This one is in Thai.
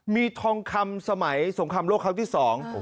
มีทองคำสมัยสงคำโลกเขาที่สอง